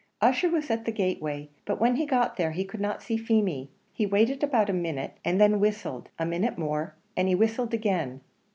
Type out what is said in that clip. Ussher was at the gateway; but when he got there, he could not see Feemy. He waited about a minute, and then whistled a minute more, and he whistled again.